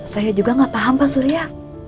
saya juga gak paham pak surya